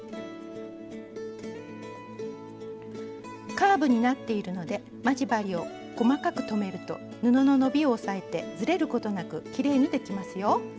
カーブになっているので待ち針を細かく留めると布の伸びを抑えてずれることなくきれいにできますよ。